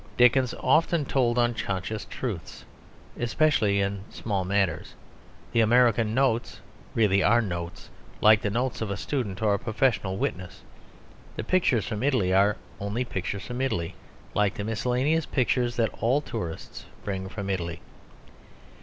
Dickens often told unconscious truths, especially in small matters. The American Notes really are notes, like the notes of a student or a professional witness. The Pictures from Italy are only pictures from Italy, like the miscellaneous pictures that all tourists bring from Italy.